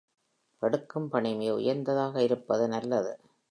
எடுக்கும் பணி மிக உயர்ந்ததாக இருப்பது நல்லது.